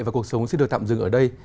và cuộc sống xin được tạm dừng ở đây